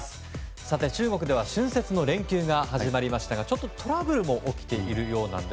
さて、中国では春節の連休が始まりましたがちょっとトラブルも起きているようなんです。